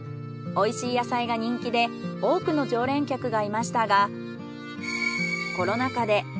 おいしい野菜が人気で多くの常連客がいましたが。